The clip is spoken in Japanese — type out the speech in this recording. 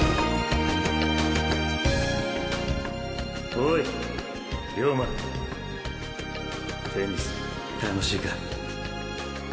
おいリョーマテニス楽しいか？